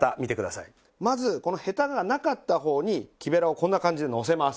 まずこのヘタがなかった方に木べらをこんな感じでのせます。